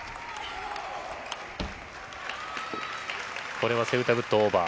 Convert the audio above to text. これはセウタブットオーバー。